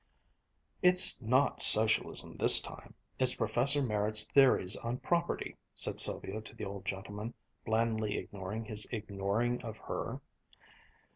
"It's not socialism this time: it's Professor Merritt's theories on property," said Sylvia to the old gentleman, blandly ignoring his ignoring of her.